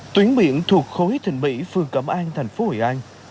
tuyến biển thuộc khối thịnh mỹ phương cẩm an tp hội an